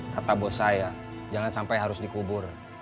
kata bos saya jangan sampai harus dikubur